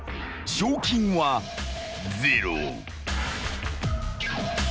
賞金はゼロ］